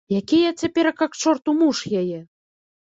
Які я цяперака, к чорту, муж яе?